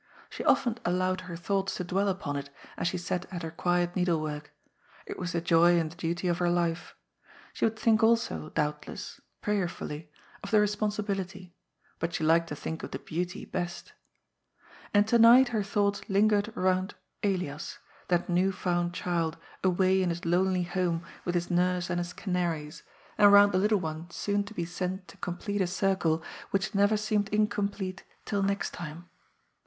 She often BLIND JUSTICK 355 allowed her thoughts to dwell npon it, as she sat at her quiet needle work. It was the joy and the duty of her life. She would think also, doubtless — ^prayerfully — of the responsi bility ; but she liked to think of the beauty best And to night her thoughts lingered round Elias, that new found child, away in his lonely home with his nurse and his canaries, and round the little one soon to be sent to complete a circle which never seemed incomplete till next time.